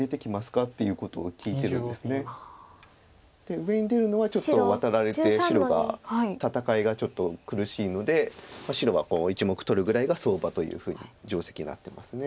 上に出るのはちょっとワタられて白が戦いがちょっと苦しいので白は１目取るぐらいが相場というふうに定石になってます。